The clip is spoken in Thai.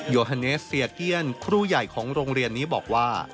ฮาเนสเซียเกี้ยนครูใหญ่ของโรงเรียนนี้บอกว่า